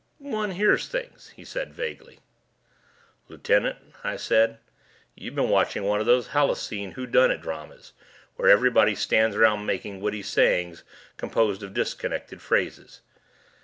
"One hears things," he said vaguely. "Lieutenant," I said, "you've been watching one of those halluscene whodunit dramas where everybody stands around making witty sayings composed of disconnected phrases.